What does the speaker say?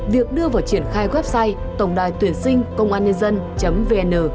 việc đưa vào triển khai website tổngđai tuyển sinh công an nhân vn